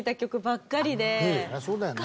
そりゃそうだよね。